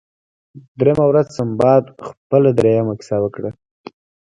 دریمه ورځ سنباد خپله دریمه کیسه وکړه.